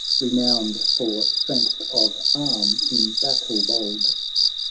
Renowned for strength of arm, in battle bold.